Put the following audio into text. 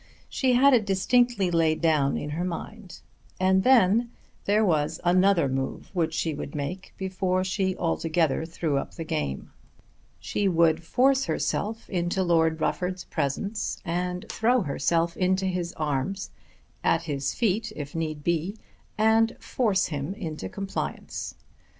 She had it distinctly laid down in her mind. And then there was another move which she would make before she altogether threw up the game. She would force herself into Lord Rufford's presence and throw herself into his arms, at his feet if need be, and force him into compliance.